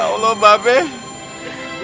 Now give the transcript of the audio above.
ya allah bapak be